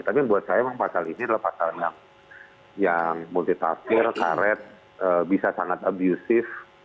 tapi buat saya memang pasal ini adalah pasal yang multitafsir karet bisa sangat abusive